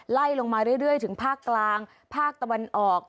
ไล่ลงมาเรื่อยถึงภาคกลางภาคตะวันออก